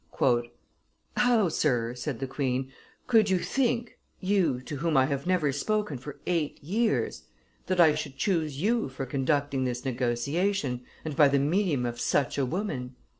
"How, sir," said the queen, "could you think, you to whom I have never spoken for eight years, that I should choose you for conducting this negotiation, and by the medium of such a woman?"